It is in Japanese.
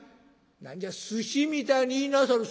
「何じゃすしみたいに言いなさる」。